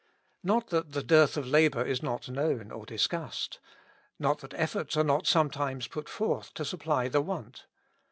Not that the dearth of labor is not known or discussed. Not that efforts are not sometimes put forth to supply the want.